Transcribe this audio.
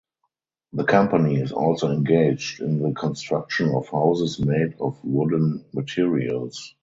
The company is also engaged in the construction of houses made of wooden materials.